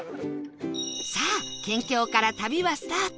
さあ県境から旅はスタート